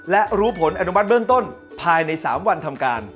และรู้ผลอนุมัติเบื้องต้นภายใน๓วันทำการ